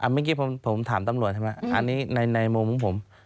เมื่อกี้ผมถามตำรวจใช่ไหมอันนี้ในมุมของผม